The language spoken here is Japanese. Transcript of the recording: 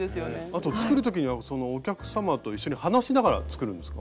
あと作るときにはお客様と一緒に話しながら作るんですか？